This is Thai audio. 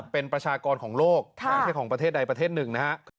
เป็นประชากรของโลกไม่ใช่ของประเทศใดประเทศหนึ่งนะฮะ